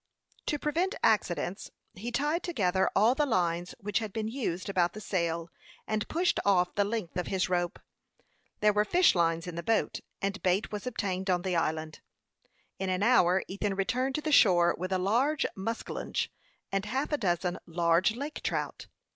To prevent accidents, he tied together all the lines which had been used about the sail, and pushed off the length of his rope. There were fish lines in the boat, and bait was obtained on the island. In an hour Ethan returned to the shore with a large muskellunge and half a dozen large lake trout.